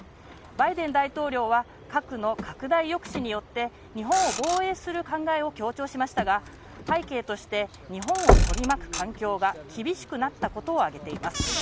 バイデン大統領は核の拡大抑止によって日本を防衛する考えを強調しましたが背景として日本を取り巻く環境が厳しくなったことを挙げています。